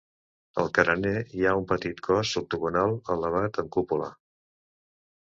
Al carener hi ha un petit cos octagonal elevat amb cúpula.